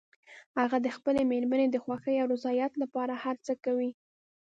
هغه د خپلې مېرمنې د خوښې او رضایت لپاره هر څه کوي